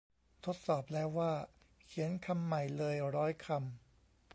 ทดสอบแล้วว่าเขียนคำใหม่เลยร้อยคำ